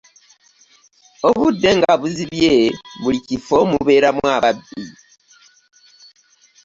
Obudde nga buzibye buli kafo mubeeramu ababbi.